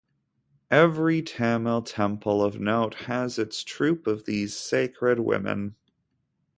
Every Tamil temple of note has its troop of these sacred women.